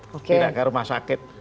pindah ke rumah sakit